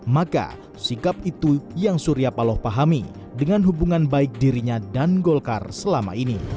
maka sikap itu yang surya paloh pahami dengan hubungan baik dirinya dan golkar selama ini